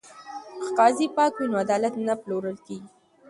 که قاضي پاک وي نو عدالت نه پلورل کیږي.